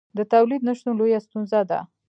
د تولید نشتون لویه ستونزه ده.